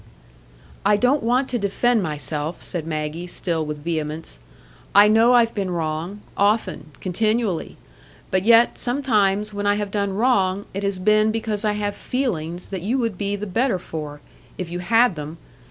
"I don't want to defend myself," said Maggie, still with vehemence: "I know I've been wrong,—often, continually. But yet, sometimes when I have done wrong, it has been because I have feelings that you would be the better for, if you had them.